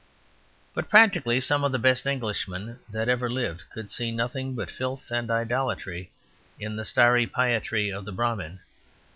But practically some of the best Englishmen that ever lived could see nothing but filth and idolatry in the starry piety of the Brahmin.